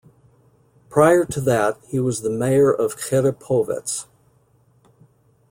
Prior to that, he was the mayor of Cherepovets.